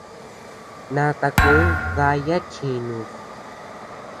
Nata kun daya chinus.